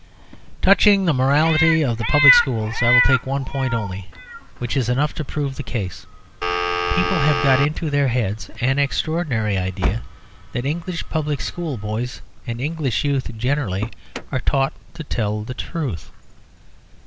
Touching the morality of the public schools, I will take one point only, which is enough to prove the case. People have got into their heads an extraordinary idea that English public school boys and English youth generally are taught to tell the truth.